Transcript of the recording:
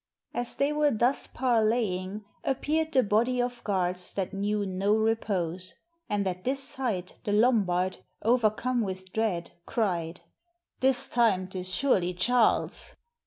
"As they were thus parleying, appeared the body of guards that knew no repose ; and at this sight the Lom bard, overcome with dread, cried, 'This time 't is surely Charles.'